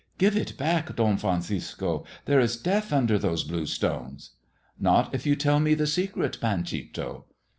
" Give it back, Don Francisco. There is death under those blue stones." "Not if you tell me the secret, Panchito."